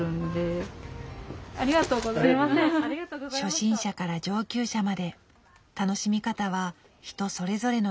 初心者から上級者まで楽しみ方は人それぞれのよう。